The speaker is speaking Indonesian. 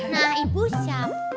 nah ibu siapa